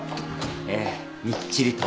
ええみっちりと。